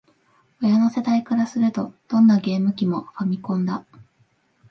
親の世代からすると、どんなゲーム機も「ファミコン」だ